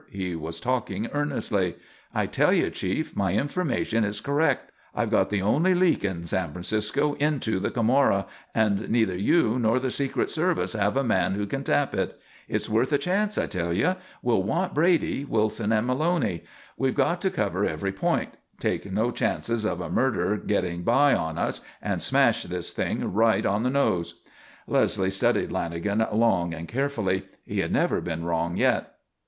He was talking earnestly. "I tell you, Chief, my information is correct. I've got the only leak in San Francisco into the Camorra and neither you nor the secret service have a man who can tap it. It's worth a chance, I tell you. We'll want Brady, Wilson and Maloney. We've got to cover every point, take no chances of a murder getting by on us, and smash this thing right on the nose." Leslie studied Lanagan long and carefully. He had never been wrong yet.